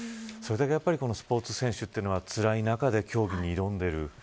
それだけスポーツ選手はつらい中で競技に挑んでいる。